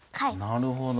なるほど。